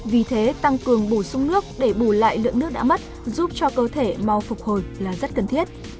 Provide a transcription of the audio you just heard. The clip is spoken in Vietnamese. vì thế tăng cường bổ sung nước để bù lại lượng nước đã mất giúp cho cơ thể mau phục hồi là rất cần thiết